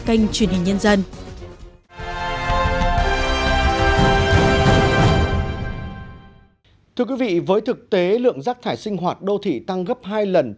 kênh truyền hình nhân dân thưa quý vị với thực tế lượng rác thải sinh hoạt đô thị tăng gấp hai lần